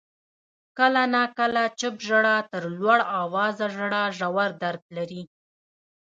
• کله ناکله چپ ژړا تر لوړ آوازه ژړا ژور درد لري.